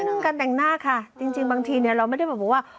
เรื่องการแต่งหน้าค่ะจริงบางทีเนี่ยเราไม่ได้บอกว่า